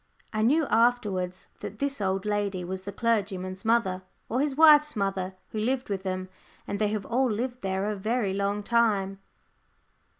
I knew afterwards that this old lady was the clergyman's mother or his wife's mother, who lived with them, and they have all lived there a very long time.